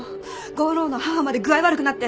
吾良の母まで具合悪くなって。